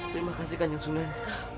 terima kasih kan jeng sunan